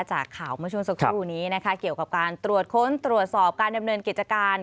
จากข่าวเมื่อช่วงสักครู่นี้นะคะเกี่ยวกับการตรวจค้นตรวจสอบการดำเนินกิจการ